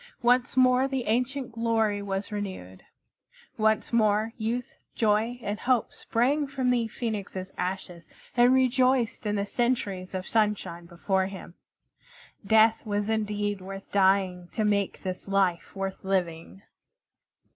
Once more the ancient glory was renewed. Once more youth, joy, and hope sprang from the Phoenix's ashes and rejoiced in the centuries of sunshine before him. Death was indeed worth dying to make this life worth living!